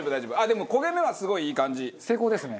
でも焦げ目はすごいいい感じ。